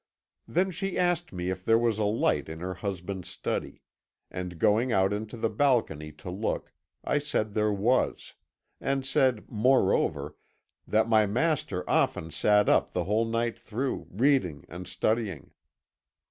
"Then she asked me if there was a light in her husband's study, and going out into the balcony to look, I said there was, and said, moreover, that my master often sat up the whole night through, reading and studying.